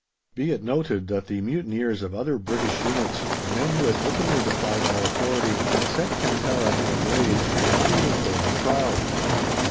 Be it noted that the mutineers of other British units, the men who had openly defied all authority and set Kantara in a blaze, were not even put on trial!